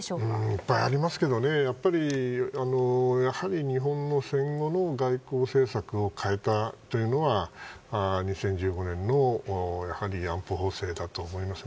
いっぱいありますけどやはり、日本の戦後の外交政策を変えたというのは２０１５年のやはり安保法制だと思います。